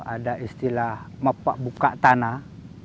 ada istilah buka tanah